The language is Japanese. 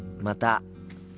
また。